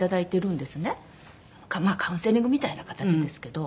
まあカウンセリングみたいな形ですけど。